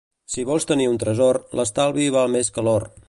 Si vols tenir un tresor, l'estalvi val més que l'or.